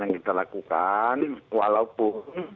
yang kita lakukan walaupun